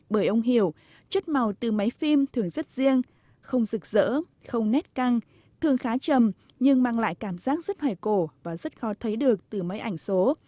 bởi ông hiểu chất màu từ máy phim thường rất riêng không rực rỡ không nét căng thường khá trầm nhưng mang lại cảm giác rất hoài cổ và rất khó thấy được từ máy ảnh số